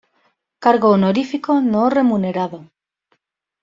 Cargo honorífico no remunerado.